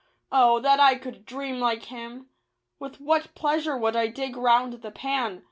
Oh, that I could dream like him I With what pleasure would I dig round the pan